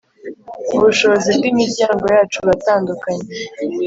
ubushobozi bw imiryango yacu buratandakunye